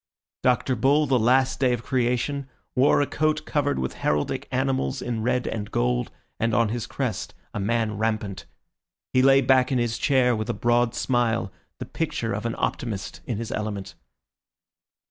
Dr. Bull, the last day of Creation, wore a coat covered with heraldic animals in red and gold, and on his crest a man rampant. He lay back in his chair with a broad smile, the picture of an optimist in his element.